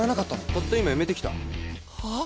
たった今辞めてきたはあ？